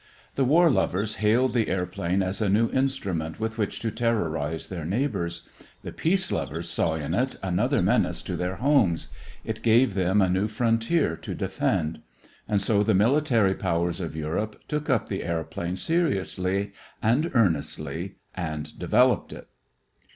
The war lovers hailed the airplane as a new instrument with which to terrorize their neighbors; the peace lovers saw in it another menace to their homes; it gave them a new frontier to defend. And so the military powers of Europe took up the airplane seriously and earnestly and developed it.